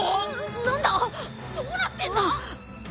何だどうなってんだ！？